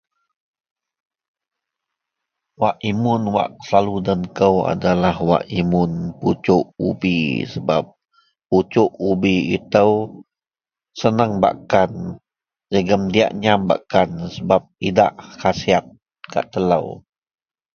wak imun wak selalu den kou adalah wak imun pucuk ubi, sebab pucuk ubi itou senang bakkan jegum diak nyaam bakkan sebab idak khasiat gak telou